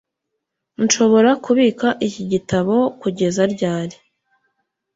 nshobora kubika iki gitabo kugeza ryari